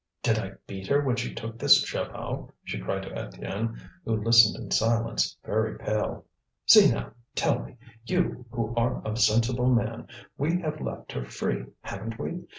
"Did I beat her when she took this Chaval?" she cried to Étienne, who listened in silence, very pale. "See now, tell me! you, who are a sensible man. We have left her free, haven't we?